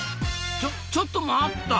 ちょちょっと待った！